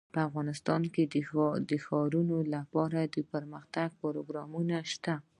افغانستان کې د ښارونه لپاره دپرمختیا پروګرامونه شته.